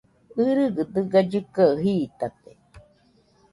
ɨgɨgɨ dɨga llɨkɨaɨ jitate